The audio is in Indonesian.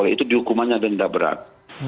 itu dihukumannya denda berat